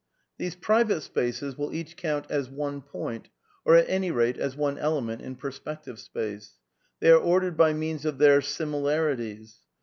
•••^ These private spaces will each count as one pointy or at any rate as one element, in ];)er8pective space. They are ordered by means of their similarities.